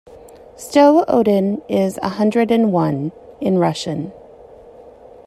"Sto Odin" is "a hundred and one" in Russian.